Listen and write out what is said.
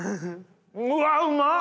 うわうまっ！